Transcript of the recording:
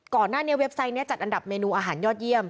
ก่อนหน้านี้เว็บไซต์นี้จัดอันดับเมนูอาหารยอดเยี่ยม